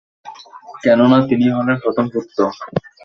কেননা, তিনিই হলেন প্রথম পুত্র।